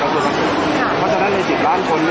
อาหรับเชี่ยวจามันไม่มีควรหยุด